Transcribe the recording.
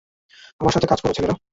আমার সাথে কাজ করো, ছেলেরা।